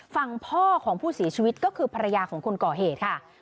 ฝั่งพ่อของผู้เสียชีวิตก็คือภรรยาของคนก่อเหตุค่ะ